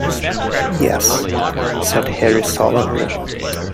"Yes," said Harry sullenly.